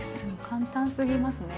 簡単すぎますね。